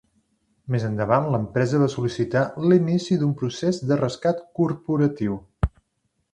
Més endavant, l'empresa va sol·licitar l'"inici d'un procés de rescat corporatiu".